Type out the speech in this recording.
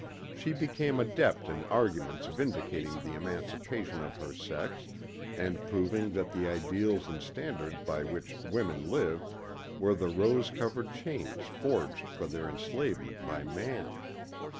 She became adept in arguments vindicating the emancipation of her sex and proving that the ideals and standards by which women lived were the rose covered chains forged for their enslavement by man.